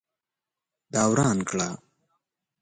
دا وران کړه